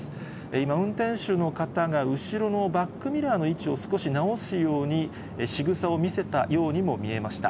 今、運転手の方が後ろのバックミラーの位置を少し直すようにしぐさを見せたようにも見えました。